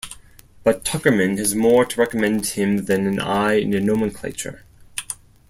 But Tuckerman has more to recommend him than an eye and a nomenclature.